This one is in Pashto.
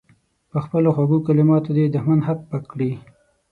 په خپلو خوږو کلماتو دې دښمن هک پک کړي.